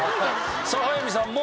さあ早見さんも。